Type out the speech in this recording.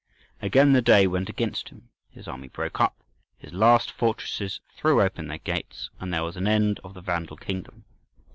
Again the day went against him; his army broke up, his last fortresses threw open their gates, and there was an end of the Vandal kingdom.